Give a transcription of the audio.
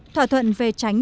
thỏa thuận về tránh